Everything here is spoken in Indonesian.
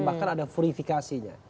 bahkan ada purifikasinya